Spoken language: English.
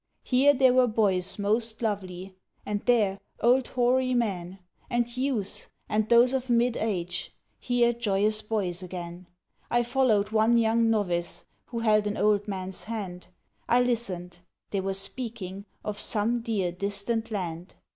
Here, there were boys most lovely; And there, old hoary men; And youths, and those of mid age; Here joyous boys again. I followed one young novice, Who held an old man's hand; I listened,—they were speaking, Of some dear, distant Land.